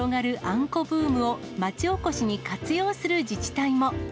あんこブームを、町おこしに活用する自治体も。